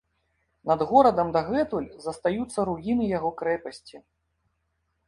Над горадам дагэтуль застаюцца руіны яго крэпасці.